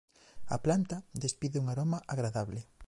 A planta despide un aroma agradable.